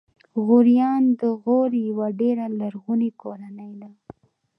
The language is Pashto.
غوریان د غور یوه ډېره لرغونې کورنۍ ده.